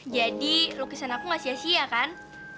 jadi lukisan aku gak sia sia kan